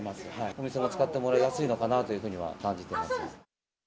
お店も使ってもらいやすいのかなっていうふうには感じています。